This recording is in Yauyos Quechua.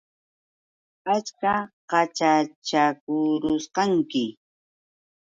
Ancha qaćhachakurusqanki.